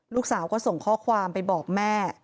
ลูกสาวก็ส่งข้อความไปบอกแม่